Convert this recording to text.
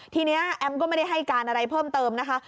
ทีนี้แอมก็ไม่ได้ให้การอะไรเพิ่มเติมนะคะ